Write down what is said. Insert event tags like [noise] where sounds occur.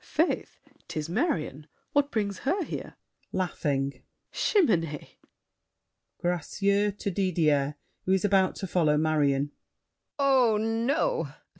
Faith, it is Marion! What brings her here? [laughs] Chimène! GRACIEUX (to Didier, who is about to follow Marion). Oh, no!